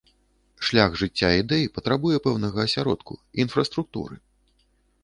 Шлях жыцця ідэй патрабуе пэўнага асяродку, інфраструктуры.